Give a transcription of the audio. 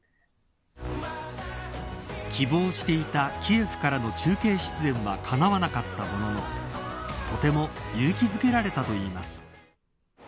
希望していたキエフからの中継出演はかなわなかったもののとても勇気付られたといいます。